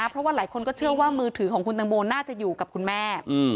เพราะว่าหลายคนก็เชื่อว่ามือถือของคุณตังโมน่าจะอยู่กับคุณแม่